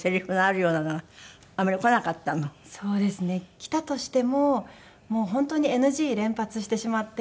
きたとしてももう本当にＮＧ連発してしまって。